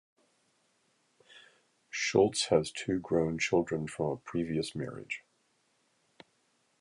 Schulz has two grown children from a previous marriage.